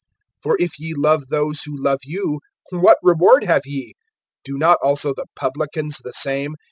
(46)For if ye love those who love you, what reward have ye? Do not also the publicans the same?